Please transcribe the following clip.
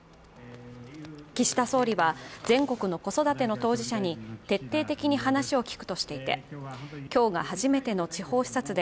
岸田総理は全国の子育ての当事者に徹底的に話を聞くとしていて、今日が初めての地方視察で